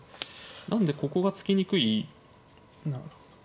なんでここが突きにくい。